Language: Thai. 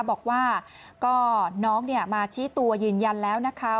บอกว่าก็น้องมาชี้ตัวยืนยันแล้วนะคะ